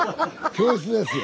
教室ですよ。